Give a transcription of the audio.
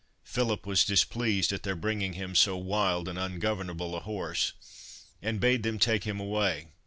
Philip was displeased at their bringing him so wild and ungovernable a horse, and bade them take him away.